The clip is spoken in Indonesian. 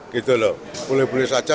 gitu loh boleh boleh saja